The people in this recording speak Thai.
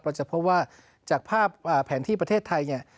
จะพบว่าจากภาพแผนที่ประเทศไทยเนี่ย